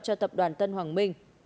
cho tập đoàn tân hoàng minh